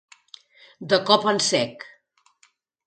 De cop en sec.